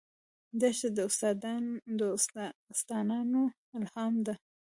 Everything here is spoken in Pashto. دښته د داستانونو الهام ده.